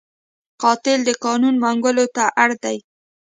قاتل د قانون منګولو ته اړ دی